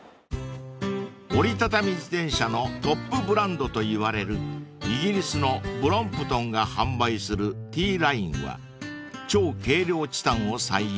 ［折り畳み自転車のトップブランドといわれるイギリスのブロンプトンが販売するＴＬｉｎｅは超軽量チタンを採用。